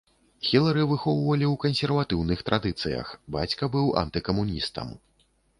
Хілары выхоўвалі ў кансерватыўных традыцыях, бацька быў антыкамуністам.